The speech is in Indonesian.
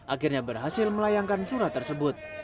akhirnya berhasil melayangkan surat tersebut